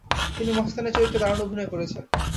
তিনি মস্তানি চরিত্রে দারুণ অভিনয় করেছেন।